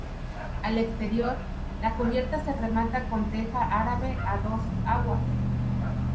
Al exterior, la cubierta se remata con teja árabe a dos aguas.